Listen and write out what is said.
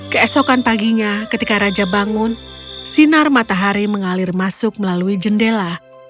keesokan paginya ketika raja bangun sinar matahari mengalir masuk melalui jendela